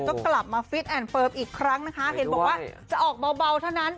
ก็กลับมาฟิตแอนดเฟิร์มอีกครั้งนะคะเห็นบอกว่าจะออกเบาเท่านั้น